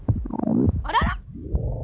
あらら？